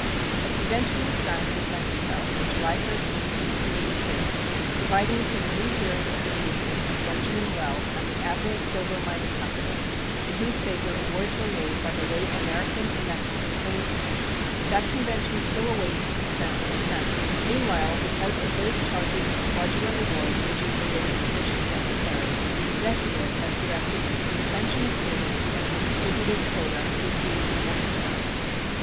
A convention was signed with Mexico on July 13, 1882, providing for the rehearing of the cases of Benjamin Well and the Abra Silver Mining Company, in whose favor awards were made by the late American and Mexican Claims Commission. That convention still awaits the consent of the Senate. Meanwhile, because of those charges of fraudulent awards which have made a new commission necessary, the Executive has directed the suspension of payments of the distributive quota received from Mexico.